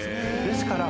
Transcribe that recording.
ですから。